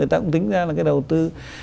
đấy cũng tính ra là cái đầu tư